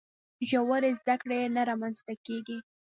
ژورې زده کړې نه رامنځته کیږي.